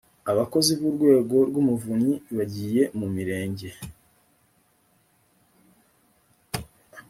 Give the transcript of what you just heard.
abakozi b urwego rw umuvunyi bagiye mu mirenge